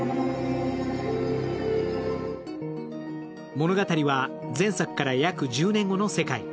物語は前作から約１０年後の世界。